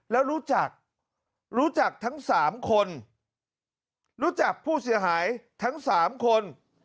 แล้วรู้จักรู้จักทั้ง๓คนรู้จักผู้เสียหายทั้ง๓คน